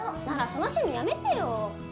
だからその趣味やめてよ！